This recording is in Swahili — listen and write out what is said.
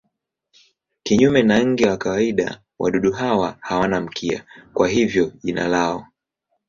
Kinyume na nge wa kawaida wadudu hawa hawana mkia, kwa hivyo jina lao.